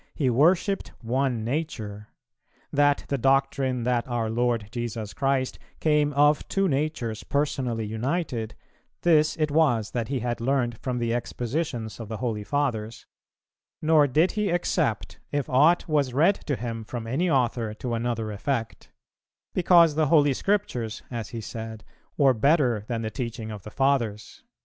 . he worshipped one Nature ... that the doctrine that our Lord Jesus Christ came of Two Natures personally united, this it was that he had learned from the expositions of the Holy Fathers; nor did he accept, if ought was read to him from any author to [another] effect, because the Holy Scriptures, as he said, were better than the teaching of the Fathers."